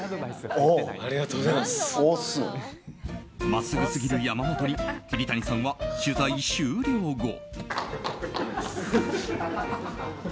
真っすぐすぎる山本に桐谷さんは取材終了後。